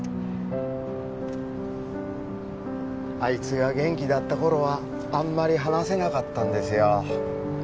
あいつが元気だった頃はあんまり話せなかったんですよ。